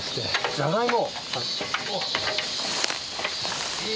じゃがいも？